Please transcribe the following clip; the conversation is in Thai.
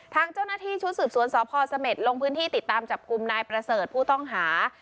ทางเจ้าหน้าที่ชุดสืบสวนสพเสม็ดลงพื้นที่ติดตามจับกลุ่มนายประเสริฐผู้ต้องหา